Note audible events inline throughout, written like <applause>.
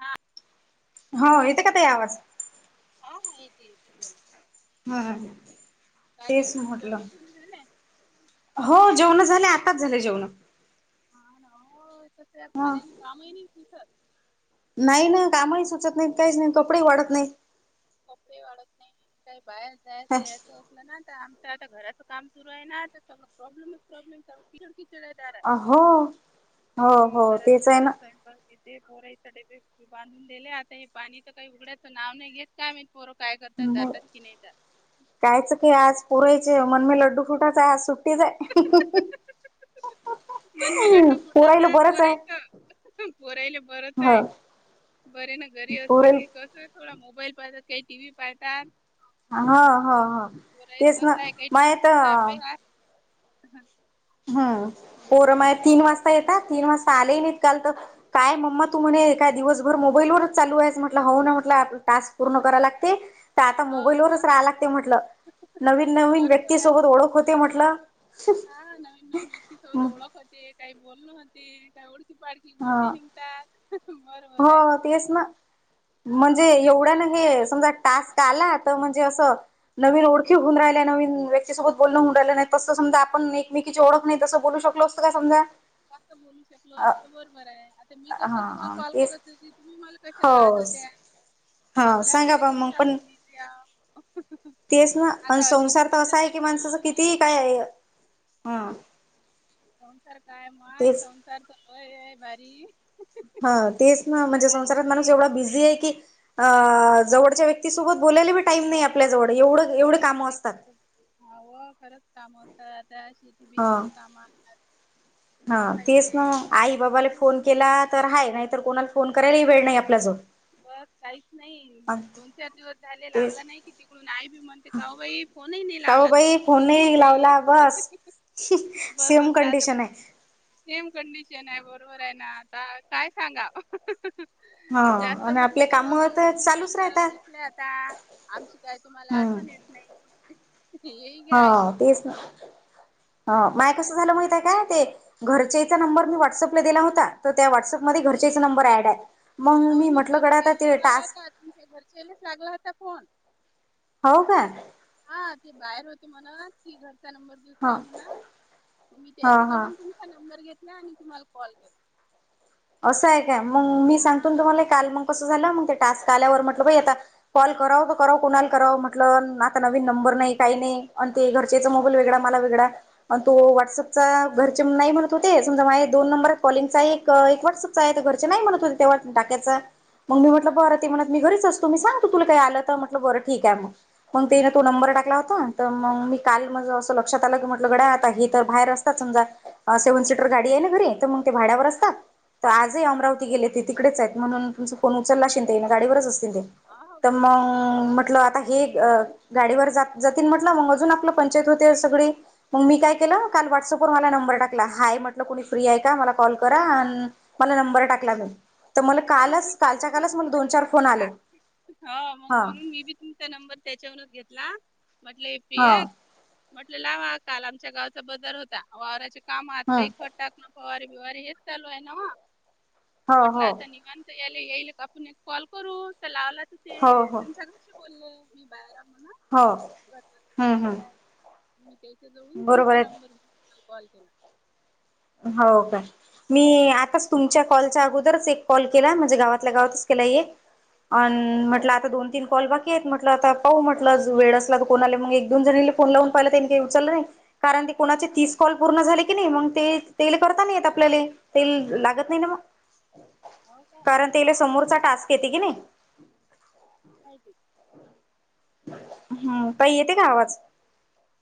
हा हो येते का ताई आवाज हा हा येते येते बोला. हम काय जे- तेच जेवण म्हटलं. घेऊन झालंय हो जेवण झाले आताच झाले जेवण. हा ना त्या ह पाण्यानी कामही नाही सुचत. नाही ना कामही सुचत नाहीत काहीच नाही कपडेही वाळत नाही.. कपडे वाळत नाही काही बाहेर जायचं नाहीत याचं ना आमच आता घराचं काम सुरू आहे ना आ सगळं प्रॉब्मच प्रॉब्लेम सगळी कडे किचड किचड आहे. दारात अ हो हो हो तेच आहे ना. इथे पोरा इथ डेबे बांधून दिले आता हे पाणी तर काही उघडायचं नाव नाही घेत काय पोर काय करतात जातात की नाही जातात. शाळेचं काय आज पोरायचे मन मे लड्डू फुटाचं आहे आज सुट्टीच आहे. मन मे लड्डू पोरायला फुटतात बरंच आहे पोरायचं, पोरायला बरच आहे. हो बरे ना घरी असले पुरेल की कस थोडा मोबाईल पाहतात, काही टी व्ही पाहतात. हा हा हा पोरायचं तेच ना असं आहे काही मा तर ट्युशनचा अभ्यास हम पोर मा तीन वाजता येत तीन वाजता चाले नाहीत काल तर काय मम्मा तू म्हणे काय दिवसभर मोबाईलवरच चालू आहे म्ह राहुलला ना म्हटलं आप टास्क पूर्ण कराय लागते तर आता हो मोबाईल वरच टाक राहा लागते म्हटलं. नवीन नवीन बरोबर आहे व्यक्तीसोबत ओळख होते म्हटलं. हा नवीन नवीन व्यक्तीसोबत ओळख होते, काही बोलणं होते, काही ओळखी पाळखी, हा <inaudible> निघतात. बर हो तेच ना म्हणजे पोरायचं एवढं ना तसंच आहे हे समजा टास्क काला म्हणजे अस नवीन ओळखी होऊन राहिल्या नवीन व्यक्ती सोबत बोलणं होऊन राहील, नाही तर मग समजा आपण एकमेकीची ओळख नाही तस बोलू शकलो असतो का नाही समजा जास्त बोलू शकलो अ असतो बरोबर आहे आता मी कशा तुम्हाला हा कॉल तेच <inaudible> तुम्ही मला कशालात कॉल करत हो होत्या हा आपल्या सांगा बा मग आपल्याच्या पण या तेच ना प संसार तर असा आहे कि माणसाच होते कितीही काय आहे हम संसार काय माय तेच संसार तर हाय भारी. हा तेच ना म्हणजे काहीच संसारात नाही माणूस एवढा बिझी आहे की जवळच्या व्यक्तीसोबत बोलायला बी टाईम नाही आपल्याला आपल्या जवळ ऐ जवळची व्यक्ती हव खरंच काम होत आता श <inaudible> हा <inaudible> हा तेच ना आई बाबाला फोन हम्म केला तर हा नाहीतर कोणाला फोन करायलाही वेळ नाही आपल्या जवळ बस काहीच नाही दोन चार दिवस झाले तेच लावला नाही तिकडून आई बी म्हणते जाऊबाई फोन नाही नाही नाही का हो लावला बाई तू, फोन बोली नाही लावला बस बस सेम होता आता कंडिशन आहे सेम कंडिशन आहे बरोबर आहे ना आता काय सांगाव हा जास्त आणि म्हटलं आपले तर काम हो तुम्ही चालूच संसारात राहतात गुंतले आता, आमची काय तुम्हाला हम्म आठवण नाही हेही हा घ्या ऐकून तेच ना. ह माय काय कसं झालं माहित आहे काय ते हा घरचेचा नंबर मी व्हॉट्सअपला दिला होता त्या व्हॉट्सअपमध्ये घरचेच नंबर ऍड आहे, मग अहो मी म्हटलं पहिले कड आता त्यालाच ते लावला टास्क होता तुमच्या घरच्या लेच लागला होता फोन? हो का? हा ते बाहेर होते म्हणत कि घरचा नंबर. दुसर हा आहे म्हणा मी हा त्याच्या हा जळून तुमचा नंबर घेतला आणि तुम्हाला कॉल केला. असं आहे काय मग मी हा सांगतो तुम्हाला काल मग कसं झालं मग ते टास्क आल्यावर म्हटलं बा आता. कॉल कराव तर कराव कोणाला कराव म्हटलं आता नवीन नंबर नाही काही नाही आणि ते घर. चेचा हं, मोबाल वेगळा मला वेगडा. आणि तो हा व्हॉट्सअपचा घरचे नाही म्हणत होते समजा माझ दोन नंबर कॉलिंगचा एक वॉट्सप च आहे तर घरचे नाही म्हणत होते तेव्हा टाक्याच मग मी हा म्हटलं बर- म्हणत मी घरीच असतो मी सांगतो तुला काही आलं तर म्हटलं बरं ठीक आहे मग मग तेने हा तो नंबर टाकला होता. तर मग मी काल म असं लक्षात आलं की म्हटलं गड्या आता हे तर बाहेर असतात समजा. दहा सेव्हन सीटर हं, गाडी आहे ना घरी तर मग ते भाड्यावर असतात. हा तर आजही हा हा अमरावती गेले ते तिकडेच आहेत म्हणून तुमचां फोन उचललाशील ते ना गाडीवरच असतील ते. अहो, तर मग उचललं ते ना म्हटलं आता हे, अ गाडीवर जात जातील म्हटलं मग अजून आपलं पंचायत होते सगळी, मग मी काय बरं केलं बरं काल व्हॉट्सअपवर मला नंबर टाकला हाय म्हटलं कोुणी फ्री आहे का मला कॉल करा हा आणि. मला नंबर टाकला जाई. हो मग मी त्याच्यान तुमचा चार नंबर फोन आले घेतला मग हा म्हणून मी बी- तुमचा नंबर त्याच्यावरच घेतला म्हटलं फ्री हा आहेत. म्हटलं लावा काल आमच्या गावचा बजार होता वावारचे काम आहात काही हम्म खटा- फवारी बिवारी हेच चालू आहे ना हो म्हट- हो निवांत याला येईल आपण कॉल करू तर लावला तर हो ते हो तुमच्याकडे, बोलले मी बाहेर म्हण, हो हम्म हम्म. मी त्याच्या जवळून बरोबर तुमचा आहे नंबर घेऊ कॉल केला. हो का. मी आताच तुमच्या कॉलच्या अगोदरच एक कॉल केला म्हणजे गावातल्या गावातच केला एक. अ म्हटलं आता दोन तीन कॉल बाकी आहेत म्हटलं आता पाहू म्हटलं वेळ असला तर कोण आले मग एक दोन जण- फोन लावून पहि त्यांनी काही उचललं नाही कारण ते कोणाचे तीस कॉल पूर्ण झाले की नाही मग ते, तेला करता नाही य आपल्याला तेल लागत नाही ना मग हो का कारण- तेला समोरचा टास्क की नाही. हलदिप. हम्म ताई येते का आवाज?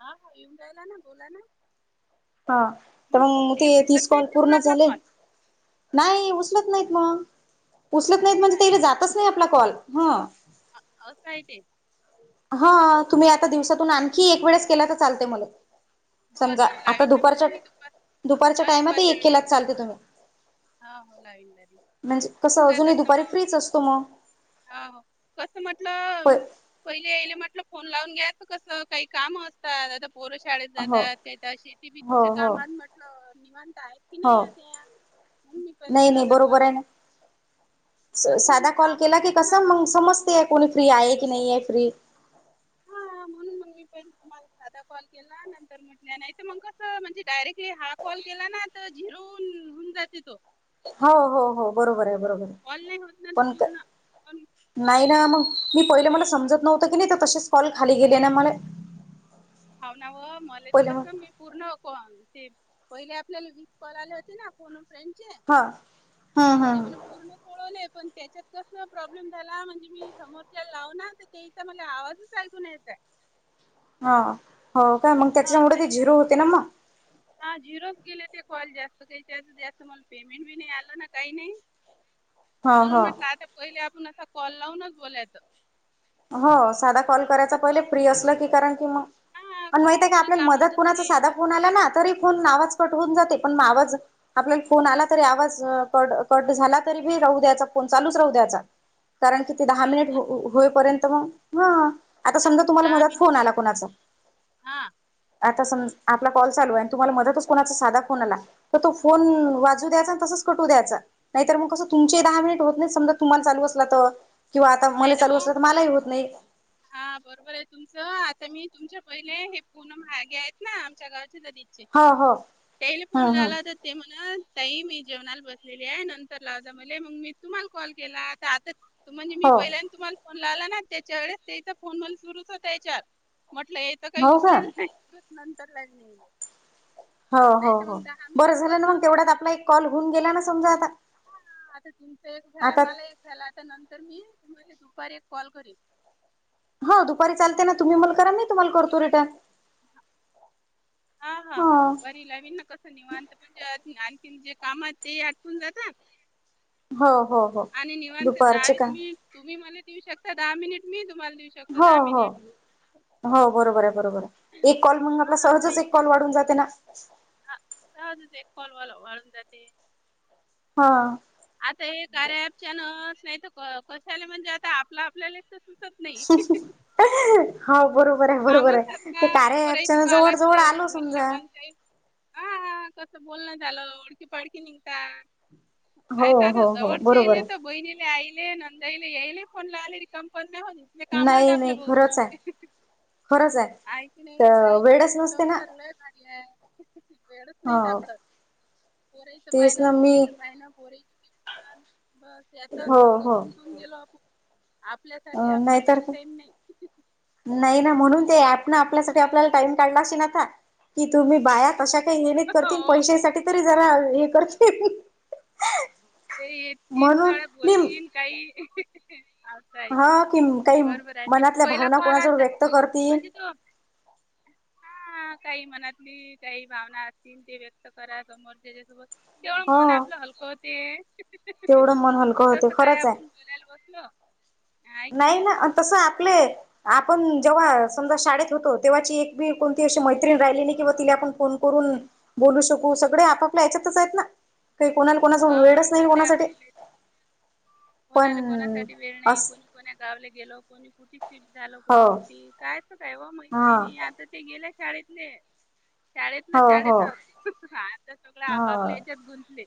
हा हो येऊन रायला ना बोला ना. हा तर मग ते तीस उचलत नाहीत कॉल ते मग पूर्ण आपला झाले. कॉल नाही उचलत नाहीत मग उचलत हो नाहीत म्हणजे काय तेला जातच नाही आपला कॉल ह. अ असय ते. हा तुम्ही अ, आता दिवसातून आणखी एक वेळेस केला तर चालते मला. बरं समजा बरं आता लावीन ना मग दुपारच्या मी दुपार दुपारच्या हा टाइमातही वेळेस एकीला लावीन चालते तुम्ही. हा हो लावीन लावीन म्हणजे होऊन कसं अजून दुपारी फ्रीच असतो मग. हा मग कसं म्हटलं. प पहिले येले म्हटलं फोन लावून घ्याच कसं काही काम असतात. पोर शाळेत हो जातात त्या शेती हो भीतीच्या हो कामात म्हटलं निवांत आहेत. की हो नाही आता म्हणून मी पहिले नाही नाही साधा कॉल बरोबर आहे ना. केला. कसं साधा म्हणजे कॉल कामं केला की असतात कस ना मग समजते कोणी फ्री आहे की नाही आहे फ्री. हां म्हणून मग मी साधा कॉल केला नंतर मग नाही तर मग कसं म्हणजे डायरेक्टली हा कॉल केला ना तर झिरो होऊन होऊन जाते तो. हो, हो, हो, बरोबर हाय, बरोबर हाय कॉल नाही होत ना तो पण का पूर्ण पण नाही ना मग, मी पहिले मला समजत नव्हतं कणी तर तसेच कॉल खाली गेले ना मला हाव ना व, मले तर पहिले मग कसं मी पूर्ण ते, पहिले आपल्याला वीस कॉल आले होते ना, कोण फ्रेंडचे, हा हम्म ते हम्म मी ना पूर्ण पळवले पण त्याच्यात कस प्रॉब्लेम झाला, म्हणजे मी समोरच्या लाव ना, तर तेचा मला आवाजच ऐकू नाही येतेय. ह, हो काय, मंग हा त्याच्यासंगट ते त्याच्यानं झीरो होते ना मग. हा झिरोच गेले ते कॉल जास्त, तेच्यात जास्त मला पेमेंट बी नाही आलं ना काही नाही. <unintelligible> म्हणून म्हटलं आता पहिले आपण असा कॉल लावूनच बोलायचं. हो, साधा कॉल करायचा पहिले कसं फ्री असलं की कारण की मग हा पण माहित कसं आहे का कोणी आपल्याला मदत कामात कुणाचा असते. साधा फोन आला ना, तरी फोन आवाज कटवून जाते पण आवाज आपल्याला फोन आला तरी आवाज, कट झाला तरी बी राहू द्याचा फोन चालूच राहू द्याचा. कारण तिथे दहा हाव मिनिट का हो, होईपर्यंत मग. ह. आता समजा तुम्हाला दहा मधत मिनिट फोन आला कोणाचा. हा आता समज, आपला कॉल चालू हाय आणि तुम्हाला मधतच कोणाचा साधा फोन आला. तर तो फोन हम्म वाजू द्यायचा तसंच कट होऊ द्यायचा, नाही तर मग कस तुमचेही दहा मिनट होत नाही समजा तुम्हाला चालू असला तर. किंवा आता मला नाही ना चालू व असलं तर मलाही होत नाही. हा बरोबर हाय तुमचं, आता मी तुमच्या पहिले हे पूनम हे आहेत ना आमच्या घराच्या नजीकचे हो हो हम्म टेलिफोनला हम्म आला तिथ ते म्हण, ताई मी जेवणाला बसलेली हाय नंतर लावता मले मग मी तुम्हाला कॉल केला. आता म्हणजे मी हो पहिल्यांद तुम्हाला फोन लावला ना, त्याच्या वेळेस त्येचा फोन म्ह सुरूच होता हेच्यात. म्हटलं हे कायं हो का उचलेलं नाही. पुरत नंतर लाइन नेले. हो, हो, हो बरं मिनिट झालं होत ना मग, नव्हते तेवढ्यात ते आपला एक कॉल होऊन गेला ना. समजा आता हा, आता तुमचा एक झाला, आता मला एक झाला आता नंतर मी तुम्हाला दुपारी एक कॉल करील. हा दुपारी चालतयं ना, तम्ही मला करा मी तम्हाला करतो रिटन. हा, हा, हो हा दुपारी. नवीन ना कसं निवांत, म्हणजे आणखीन जे कामात ते आटपून जातात. हो हो हो आणि निवांत दुपारचे दहावीस काय मिनिट तुम्ही मला देऊ शकता दहा मिनिट मी तुम्हाला देऊ शक हो, हो, हो बरोबर हाय, बरोबर हाय एक कॉल मंग हां आपला सहजच एक कॉल वाढून जाते ना. हा, सहजच एक कॉल वाल वाळून जाते. हा आता हे कार्या अँपच्या नावावर नाही तर कशाला म्हणजे आता आपलं आपल्याला <unintelligible> <unintelligible> हाव बरोबर हाय, बरोबर कामच आहेत हाय, ना ते कार्या पोराईचं अँपच्यान पाहावं जवड- जवड आलो समजा. हा हा हा तसं बोलण झालं, ओडखी -पाडखी निघंता. हो नाहीतर आता हो हो जवळचे बरोबर येले, तर आहे बहिणीला आईले नंदाईले येईले फोनला आले रिकाम कोन नाय होजी. ते कामात हाय नाही आपल्या नाही भोवती. खरंच आहे खरंच हाय. हाय की नाही, टायमिंग संसार लय भारी हाय, वेळच नाही हो सापडत. पोरयीचं पायन, तेच ना मी पोरीचं पायन पोरी छान बस यातच हो सगळं गुंतून गेलो आप- अं नाहीतर काय? नाही. नाही ना म्हणून ते अँप- ना असं आपल्यासाठी आहे. आपल्याला टाईम काढलाशीनाका की तुम्ही बाया कशाकाही नियमीत करतीन हो पैासाठी- तरी जरा हे करते. जे येतीन, सगळ्या बोलतील काही. असताय ते हा कि काही बरोबर आहे आणि त मनातल्या पहिला भावना कॉल कोणाजवळ आलता व्यक्त करतील म्हणजे त्यो- हां काही मनातली काही भावना असतील ते व्यक्त करा समोरच्याचा सोबत- हां- आपलं हलकं होते- तेवढं मन हलकं होतेय, खरंच हाय. बोलाल बसलो- आहे की नाही ना तसं आपले आपण जेव्हा समजा शाळेत होतो तेव्हाची ए' की कोणती अशी मैत्रीण राहिली नाही किं तिला आपण फोन- करून बोलू शकू सगळे आपापल्या हेच्यातच आहेत ना! काही कोणाला कोणास वेडच बस नाही सगळे कोणासाठी आपापले पण अस- कोणा गावला गेलो कोणी कुठी फिट झालं हो कोणी कुठी कायच काय ओ हा मैत्रिणी आता- ते गेल्या शाळेतले- शाळेतलं हो हो शाळेतच आता तुला हो आपापल्या ह्याच्यात गुंतले-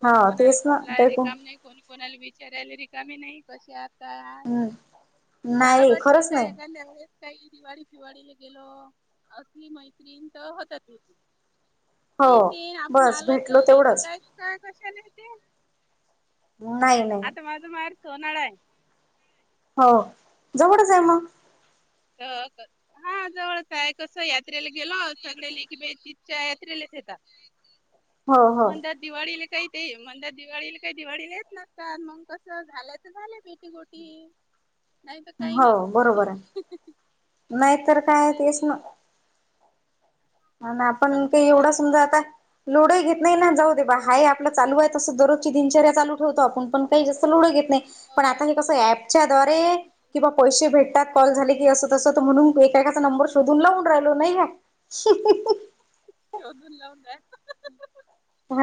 कोणी हो कोणाला तेच ना फोन लायला काही कोण रिकम नाही कोणी कोणाला विचारायला रिकाम नाही कशे हात- काय हम्म शाला नाही बर खरंच ठीक आहे का नाही? काही दिवाळी फिवाळीला गेलो असली मैत्रीण तर होतात भेटी- हो ते ते आपुण बस आलोत तर भेटलो नाय तर तेवढंच काय काय कशाला येते- म नायी येणार- तिचे माहेर सोनाळ हाय- हों जवड हाय मंग. क हां जवळच आहे कसं यात्रेला गेलो सगळ्या लेकी बाई तिजच्या यात्रेलाच येतात. हो हो म्हणत्यात- दिवाळीला काही ते म्हणतात दिवाळीला काही दिवाळीला येत नसतात मग कसं झालं तर झालं भेटी गोटी. नाही तर काही नाही हों बरोबर हाय नाहीतर काय? असं आहे तेच ते ना- आणि आपण काय एवढा सुमधा आता- लोढंही घेत नाही ना जाऊ देबा हाय आपलं चालू आहे तसं दररोजची दिनचर्या चालू ठेवतो आपण पण काही जास्त लोढंही घेत नाही- पण आता हे मग कसंय अँप च्या द्वारे रोज किंवा पैशे भेटतात कॉल झाले की अस तस म्हणून- ते कस नंबर शोधून लावून राहिलो नाही का? शोधून लावून राहिलो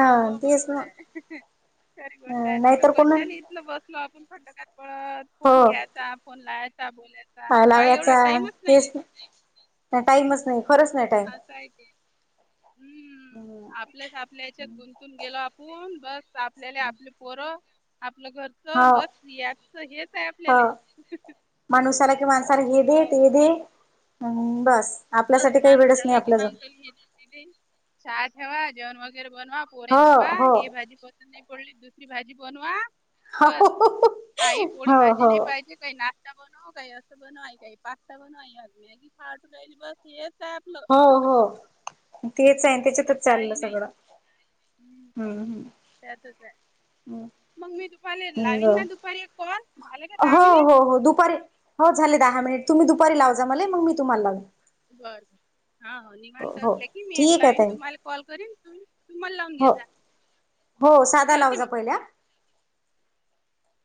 हां ओ तेच बरोबर ना हाय. खरी गोष्ट आहे नाहीतर कशाला इथल बसलो आपण पळत हो फोन घ्यायचा- फोन लायचा बोलायचा काही एवढा लाव्याचा टाइमच नायी. <inaudible> टाईमच नाही खरंच नाही आसा आहे ते. टाईम हुं आपल्याच आपल्या ह्याच्यात गुंतून गेलो आपूण बस आपल्याला आपलं- पोरं आपलं हो घरचं बस याच हेच आहे आपलेले. माणूसा आला कि माणसाला हे दे ते दे म् बस! बस आपल्यासाठी काही माणूस वेळच नाही अला कि आपल्या जवळ मानसला हे दे ती दे. चहा ठेवा जेवण वगैरे बनवा पोरेसपा हो हो हे भाजी प ती बोलली दुसरी भाजी बनवा, बस आई पोळी हो भाजी नाही हो पाहिजे. आई नाश्ता बनव, काही असं बनव, आई पास्ता बनवा मॅगी खात राहिली बग एकच हो -हो तेच आहे त्याच्यातचं दुसरं चाललं काही नाही सगळं. हम्म म, त्यातच हाय हम्म, मगं मी तुमाले लावीन हम्म ना दुपारी एक कॉल, झाले का दहा हो मिनिट? हो हो दुपारी हो झाले दहा मिनिट, तुम्ही दुपारी लाव जा मले मगं मी तुम्हला लावीन. बरं -बरं, हा-हा, निवांत हो असले की मी एक ठीक आहे लाविन ताई तुम्हाला कॉल करीन, तुमी मला लावून घे हो जा. हो साधा लाव जा पहिल्या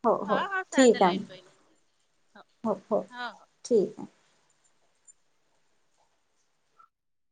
हो हा हो -हा साधा ठीक आहे लाविन पहिले. हो, हो ठीक ये.